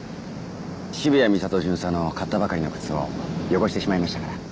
渋谷美里巡査の買ったばかりの靴を汚してしまいましたから。